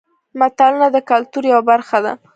متلونه د کولتور یوه برخه ده